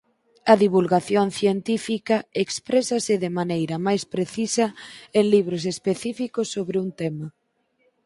A divulgación científica exprésase de maneira máis precisa en libros específicos sobre un tema.